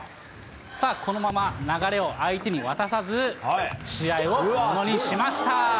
さあ、このまま流れを相手に渡さず、試合をものにしました。